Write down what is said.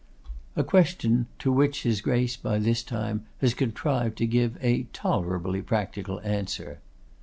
a question to which his Grace by this time has contrived to give a tolerably practical answer.